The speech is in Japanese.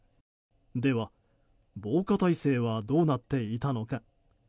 では、防火耐性はどうなっていたのか。